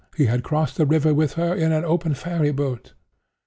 He had crossed the river with her in an open ferry boat.